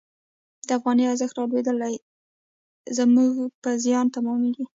د افغانۍ ارزښت رالوېدل زموږ په زیان تمامیږي.